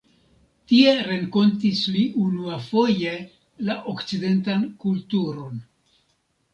Tie renkontis li unuafoje la okcidentan kulturon.